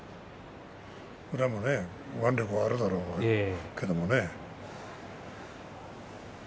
宇良も腕力があるだろうけれどもね。